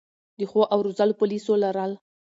د ښو او روزلو پولیسو لرل